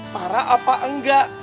parah apa enggak